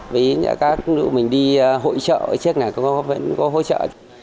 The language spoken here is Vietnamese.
với các lưu mình đi hỗ trợ trước này vẫn có hỗ trợ